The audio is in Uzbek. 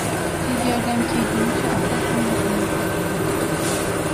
Tez yordam kelgunicha ota ham o`zini yo`qotib qo`ydi